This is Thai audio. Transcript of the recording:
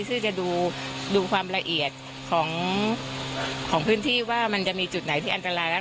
ซึ่งจะดูความละเอียดของพื้นที่ว่ามันจะมีจุดไหนที่อันตรายแล้ว